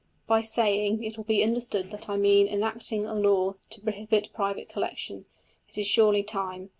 By saying it will be understood that I mean enacting a law to prohibit private collection. It is surely time.